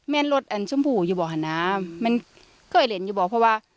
รถอันชมพูอยู่บ่อหาน้ำมันเคยเห็นอยู่บอกเพราะว่า